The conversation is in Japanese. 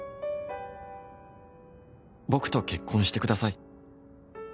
「僕と結婚して下さい」